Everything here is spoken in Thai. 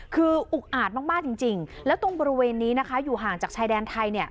คืออุกอาจมากจริงแล้วตรงบริเวณนี้นะคะอยู่ห่างจากชายแดนไทย